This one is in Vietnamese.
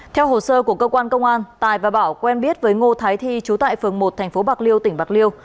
theo hồ sơ của cơ quan công an tài và bảo quen biết với ngô thái thi chú tại phường một thành phố bạc liêu tỉnh bạc liêu